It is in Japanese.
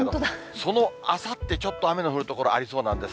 そのあさって、ちょっと雨の降る所ありそうなんです。